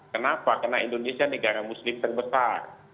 kenapa karena indonesia negara muslim terbesar